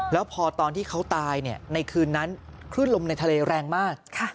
แล้วพอตอนที่เขาตายในคืนนั้นคลื่นลมในทะเลแรงมาก